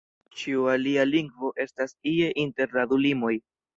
Ĉiu alia lingvo estas ie inter la du limoj.